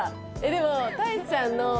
でも。